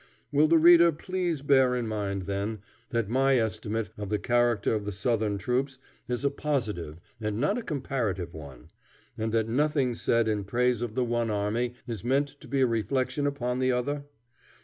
Will the reader please bear in mind, then, that my estimate of the character of the Southern troops is a positive and not a comparative one, and that nothing said in praise of the one army is meant to be a reflection upon the other?